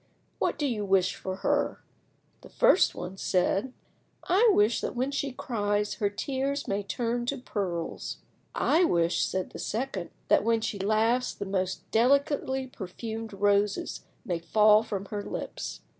What do you wish for her?" The first one said— "I wish that when she cries her tears may turn to pearls." "I wish," said the second, "that when she laughs the most delicately perfumed roses may fall from her lips."